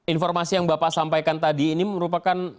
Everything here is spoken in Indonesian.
informasi yang bapak sampaikan tadi ini merupakan